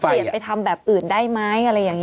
เปลี่ยนไปพรุ่งอื่นได้ไหม